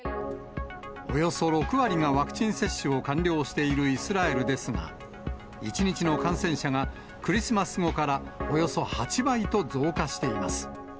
およそ６割がワクチン接種を完了しているイスラエルですが、１日の感染者がクリスマス後からおよそ８倍と増加しています。